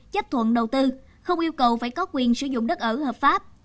chấp thuận đầu tư không yêu cầu phải có quyền sử dụng đất ở hợp pháp